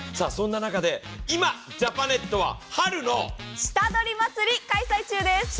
そんな中で、今ジャパネットは春の下取り祭を開催中です。